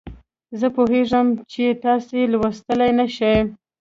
زه پوهیږم چې تاسې یې لوستلای نه شئ.